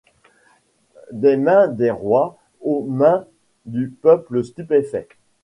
Des mains des rois aux mains du peuple stupéfait.